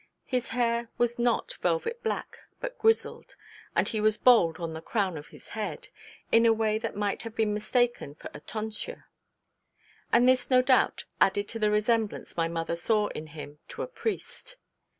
His hair was not velvet black, but grizzled, and he was bald on the crown of his head, in a way that might have been mistaken for a tonsure; and this no doubt added to the resemblance my mother saw in him to a Priest.